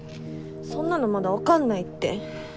そんなのまだ分かんないって！